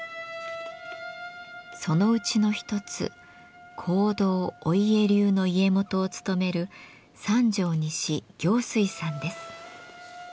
そのうちの一つ香道御家流の家元を務める三條西堯水さんです。